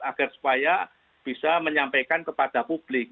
agar supaya bisa menyampaikan kepada publik